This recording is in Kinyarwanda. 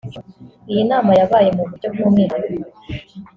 Iyi nama yabaye mu buryo bw’umwihariko